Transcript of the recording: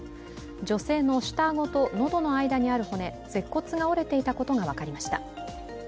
女性の下顎と喉の間にある骨、舌骨が折れていたことが分かりました。